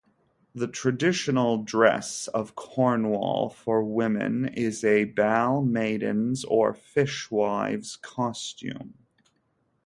The "traditional dress" of Cornwall for women is a Bal Maiden's or fishwife's costume.